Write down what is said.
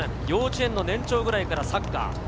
幼稚園の年長ぐらいからサッカー。